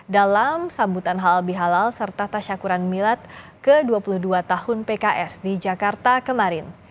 dalam sambutan halal bihalal serta tasyakuran milad ke dua puluh dua tahun pks di jakarta kemarin